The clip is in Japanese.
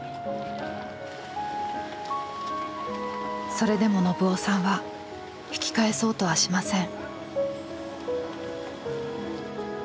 それでも信男さんは引き返そうとはしません。